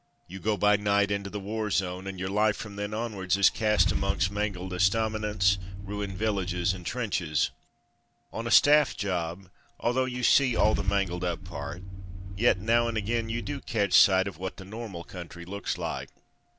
You go by night into the war zone, and your life from then onwards is cast amongst mangled estaminets, ruined villages, and trenches. On a staff job, although you see all the mangled up part, yet now and again you do catch sight of what the normal country looks like.